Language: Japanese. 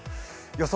予想